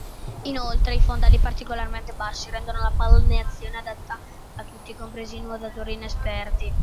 Inoltre, i fondali particolarmente bassi rendono la balneazione adatta a tutti, compresi nuotatori inesperti.